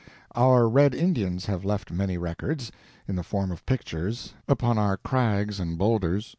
Our red Indians have left many records, in the form of pictures, upon our crags and boulders.